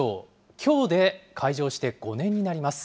きょうで開場して５年になります。